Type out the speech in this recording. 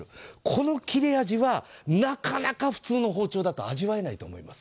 この切れ味はなかなか普通の包丁だと味わえないと思います。